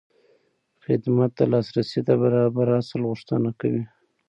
خدمت د لاسرسي د برابر اصل غوښتنه کوي.